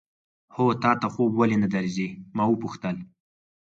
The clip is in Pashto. هو، تا ته خوب ولې نه درځي؟ ما وپوښتل.